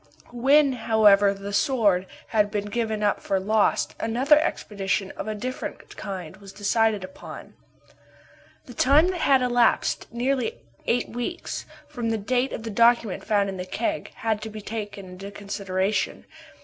When, however, the Sword had been given up for lost, another expedition of a different kind, was decided upon. The time that had elapsed nearly eight weeks from the date of the document found in the keg, had to be taken into consideration.